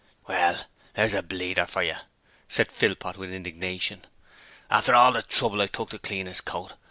'Well, there's a bleeder for yer!' said Philpot with indignation. 'After all the trouble I took to clean 'is coat!